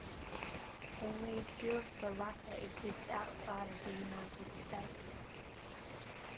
Only a few of the latter exist outside of the United States.